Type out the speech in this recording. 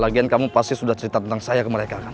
bagian kamu pasti sudah cerita tentang saya ke mereka